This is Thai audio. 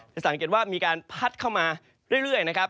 จะสังเกตว่ามีการพัดเข้ามาเรื่อยนะครับ